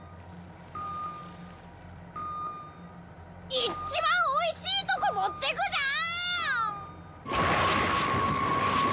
いちばんおいしいとこ持っていくじゃん！